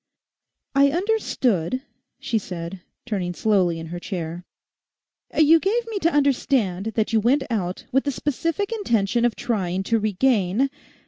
'I understood,' she said, turning slowly in her chair, 'you gave me to understand that you went out with the specific intention of trying to regain....